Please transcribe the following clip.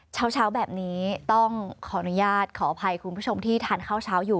เช้าแบบนี้ต้องขออนุญาตขออภัยคุณผู้ชมที่ทานข้าวเช้าอยู่